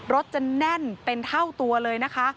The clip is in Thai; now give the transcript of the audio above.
รถจะแน่นเป็นเท่าตัวเลยนะคะ